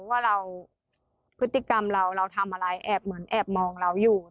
ว่าเราพฤติกรรมเราเราทำอะไรแอบเหมือนแอบมองเราอยู่